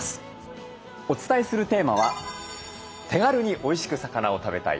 お伝えするテーマは「手軽においしく魚を食べたい！